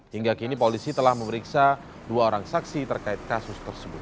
hingga kini polisi telah memeriksa dua orang saksi terkait kasus tersebut